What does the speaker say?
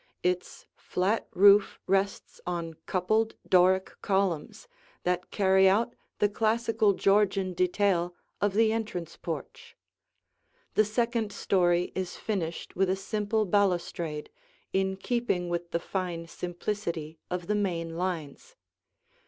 Its flat roof rests on coupled Doric columns that carry out the classical Georgian detail of the entrance porch; the second story is finished with a simple balustrade, in keeping with the fine simplicity of the main lines.